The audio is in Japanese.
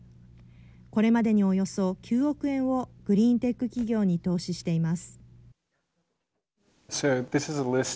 これまでにおよそ９億円をグリーンテック企業に投資しています。